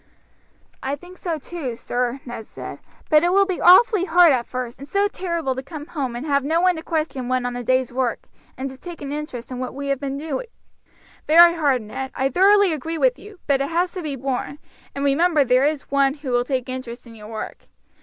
"I think so too, sir," Ned said, "but it will be awfully hard at first, and so terrible to come home and have no one to question one on the day's work, and to take an interest in what we have been doing." "Very hard, Ned; I thoroughly agree with you, but it has to be borne, and remember there is One who will take interest in your work.